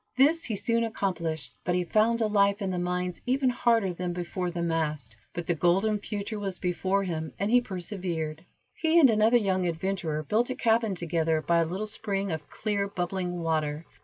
This he soon accomplished, but he found a life in the mines even harder than before the mast, but the golden future was before him, and he persevered. He and another young adventurer built a cabin together by a little spring of clear, bubbling water.